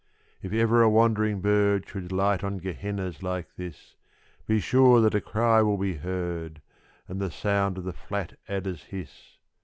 If ever a wandering bird should light on Gehennas like this Be sure that a cry will be heard, and the sound of the flat adder's hiss.